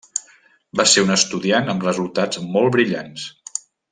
Va ser una estudiant amb resultats molt brillants.